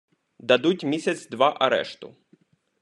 Дадуть місяць-два арешту.